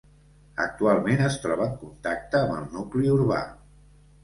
Actualment es troba en contacte amb el nucli urbà.